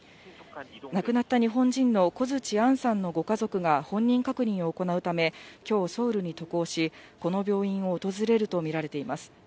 亡くなった日本人のコヅチアンさんのご家族が本人確認を行うため、きょう、ソウルに渡航し、この病院を訪れると見られています。